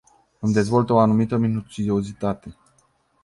Îmi dezvoltă o anumită minuțiozitate.